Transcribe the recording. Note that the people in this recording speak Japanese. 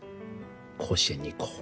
甲子園に行こう